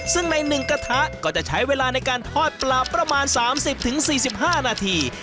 ซึ่งใน๑กระทะก็จะใช้เวลาในการทอดปลาประมาณ๓๐๔๕นาที